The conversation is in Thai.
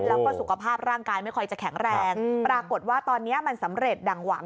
แล้วก็สุขภาพร่างกายไม่ค่อยจะแข็งแรงปรากฏว่าตอนนี้มันสำเร็จดั่งหวัง